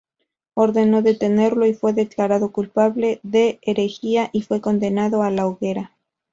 Ordenó detenerlo, y fue declarado culpable de herejía y fue condenado a la hoguera.